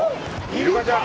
イルカちゃん。